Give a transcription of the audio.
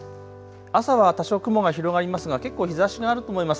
朝は多少雲が広がりますが結構日ざしがあると思います。